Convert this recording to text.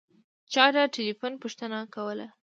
چا د تیلیفون پوښتنه کوله.